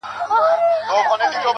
جرس فرهاد زما نژدې ملگرى.